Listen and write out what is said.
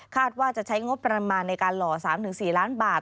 ว่าจะใช้งบประมาณในการหล่อ๓๔ล้านบาท